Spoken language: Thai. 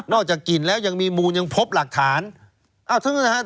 นอกจากกลิ่นแล้วยังมีมูลยังพบหลักฐาน